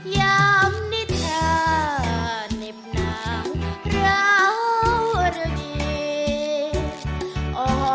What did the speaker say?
ยามนิทราเนมนาราวราเกียร์